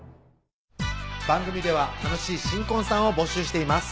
番組では楽しい新婚さんを募集しています